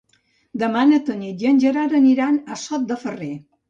Demà na Tanit i en Gerard aniran a Sot de Ferrer.